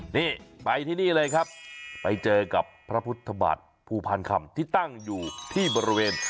นี่ไปที่นี่เลยครับไปเจอกับพระพุทธบาทภูพานคำที่ตั้งอยู่ที่บริเวณ